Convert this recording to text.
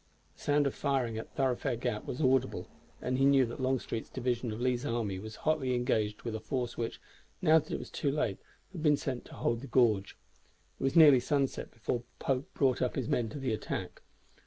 The sound of firing at Thoroughfare Gap was audible, and he knew that Longstreet's division of Lee's army was hotly engaged with a force which, now that it was too late, had been sent to hold the gorge. It was nearly sunset before Pope brought up his men to the attack.